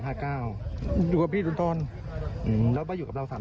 มา๔๘เกาที่ผู้พี่สนทนจะรอพี่อยู่มาอยู่กับเราสาม